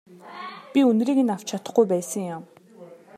Би үнэрийг авч чадахгүй байсан юм.